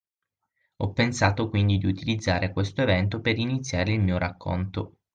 Ho pensato quindi di utilizzare questo evento per iniziare il mio racconto.